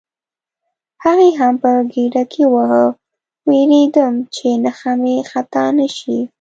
هغه مې په ګېډه کې وواهه، وېرېدم چې نښه مې خطا نه شي.